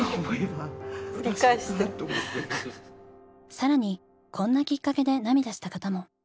更にこんなきっかけで涙した方も。